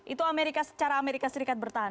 itu amerika secara amerika serikat bertahan